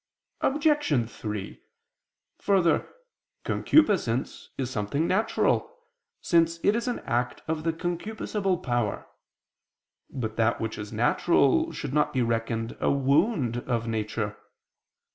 Obj. 3: Further, concupiscence is something natural, since it is an act of the concupiscible power. But that which is natural should not be reckoned a wound of nature.